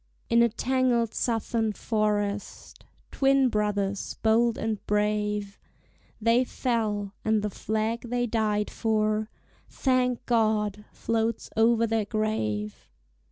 In a tangled Southern forest, Twin brothers bold and brave, They fell; and the flag they died for, Thank God! floats over their grave.